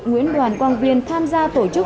nguyễn đoàn quang viên tham gia tổ chức